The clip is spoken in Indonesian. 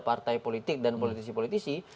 partai politik dan politisi politisi